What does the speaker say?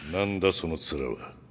その面は。